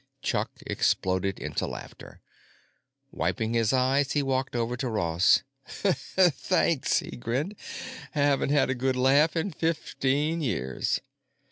Chuck exploded into laughter. Wiping his eyes, he walked over to Ross. "Thanks," he grinned. "Haven't had a good laugh in fifteen years."